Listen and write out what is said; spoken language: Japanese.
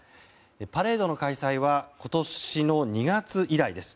パレードの開催は今年の２月以来です。